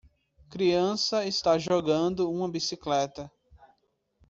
criança está jogando uma bicicleta